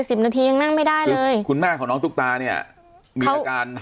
สิบนาทียังนั่งไม่ได้เลยคุณแม่ของน้องตุ๊กตาเนี่ยมีอาการ